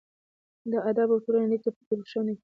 د ادب او ټولنې اړیکه پکې روښانه کیږي.